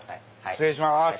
失礼します。